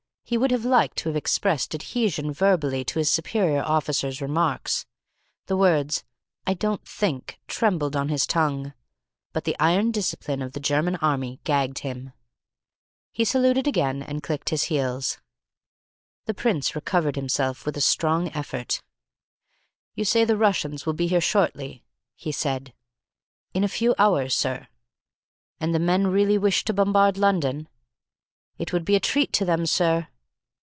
He would have liked to have expressed adhesion verbally to his superior officer's remarks. The words "I don't think" trembled on his tongue. But the iron discipline of the German Army gagged him. He saluted again and clicked his heels. The Prince recovered himself with a strong effort. "You say the Russians will be here shortly?" he said. "In a few hours, sir." "And the men really wish to bombard London?" "It would be a treat to them, sir."